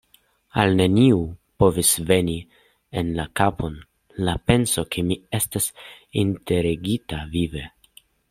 Al neniu povis veni en la kapon la penso, ke mi estas enterigita vive.